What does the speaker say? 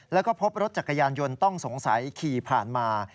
แล้วก็พบรถจักรยานยนต์ต้องสงสัยขี่ผ่านมา